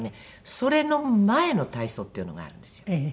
それの前の体操っていうがあるんですよ。